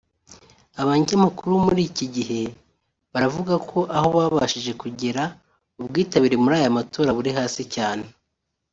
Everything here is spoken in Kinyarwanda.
Abanyamakuru bo muri iki gihugu baravuga ko aho babashije kugera ubwitabire muri aya matora busi hasi cyane